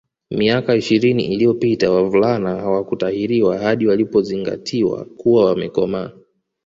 Miaka ishirini iliyopita wavulana hawakutahiriwa hadi walipozingatiwa kuwa wamekomaa